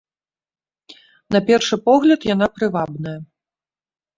На першы погляд, яна прывабная.